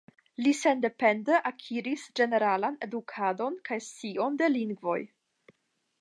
Li sendepende akiris ĝeneralan edukadon kaj sciojn de lingvoj.